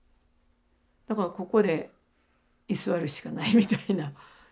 だからここで居座るしかないみたいな。